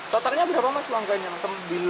totalnya berapa mas uang koinnya mas